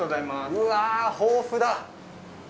うわ、豊富だ。